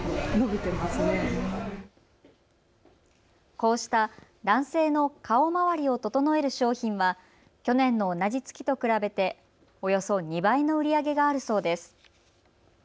こうした男性の顔まわりを整える商品は去年の同じ月と比べておよそ２倍の売り上げがあるそうです。